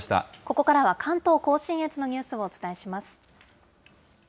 ここからは関東甲信越のニュースをお伝えします。